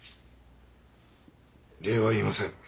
礼は言いません。